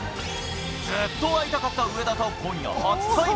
ずっと会いたかった上田、今夜、初対面。